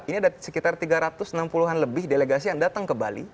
ini ada sekitar tiga ratus enam puluh an lebih delegasi yang datang ke bali